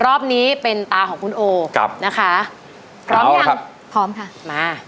รอบนี้เป็นตาของคุณโอครับนะคะพร้อมยังพร้อมค่ะมา